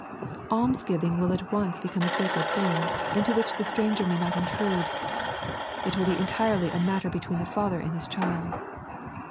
Alms giving will at once become a sacred thing, into which the stranger may not intrude — it will be entirely a matter between the Father and His child.